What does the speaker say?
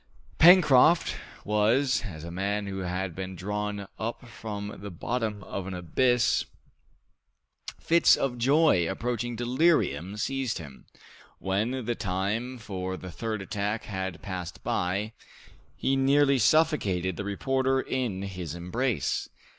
Pencroft was as a man who has been drawn up from the bottom of an abyss. Fits of joy approaching delirium seized him. When the time for the third attack had passed by, he nearly suffocated the reporter in his embrace.